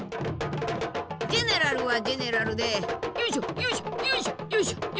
ジェネラルはジェネラルでよいしょよいしょよいしょよいしょよいしょ。